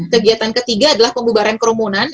kegiatan ketiga adalah pembubaran kerumunan